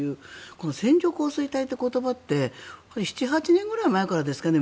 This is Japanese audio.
この線状降水帯という言葉って７８年くらい前からですかね。